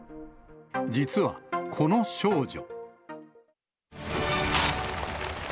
実は、この少女。